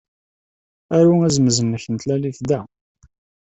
Aru azemz-nnek n tlalit da.